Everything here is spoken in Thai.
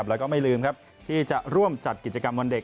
แล้วก็ไม่ลืมที่จะร่วมจัดกิจกรรมวันเด็ก